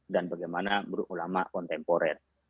dan bagaimana beruk ulama kontemporer